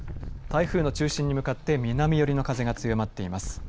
台風の中心に向かって南寄りの風が強まっています。